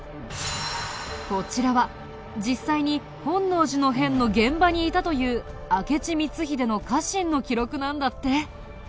こちらは実際に本能寺の変の現場にいたという明智光秀の家臣の記録なんだって。